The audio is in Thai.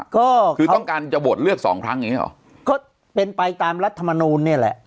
ก็คือต้องการจะโหวตเลือกสองครั้งอย่างเงี้หรอก็เป็นไปตามรัฐมนูลเนี่ยแหละ